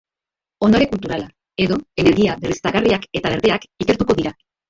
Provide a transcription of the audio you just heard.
Ondare kulturala edo Energia berriztagarriak eta berdeak ikertuko dira.